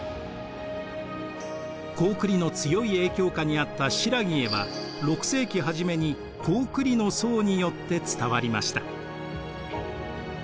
高句麗の強い影響下にあった新羅へは６世紀初めに高句麗の僧によって伝わりました。